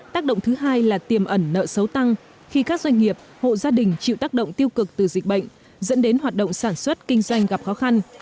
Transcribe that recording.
tác động thứ hai là tiềm ẩn nợ xấu tăng khi các doanh nghiệp hộ gia đình chịu tác động tiêu cực từ dịch bệnh dẫn đến hoạt động sản xuất kinh doanh gặp khó khăn